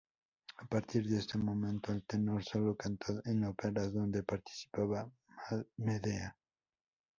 A partir de ese momento el tenor sólo cantó en óperas donde participaba Medea.